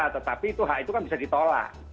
tetapi itu hak itu kan bisa ditolak